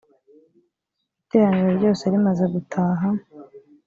iteraniro ryose rimaze gutaha.